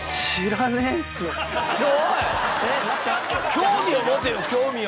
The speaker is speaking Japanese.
興味を持てよ興味を。